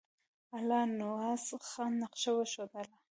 الله نواز خان نقشه وښودله.